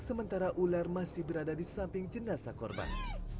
sementara ular masih berada di samping jenazah korban